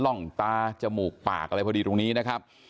ร่องตาจมูกปากอะไรพอดีตรงนี้นะครับ